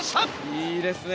いいですね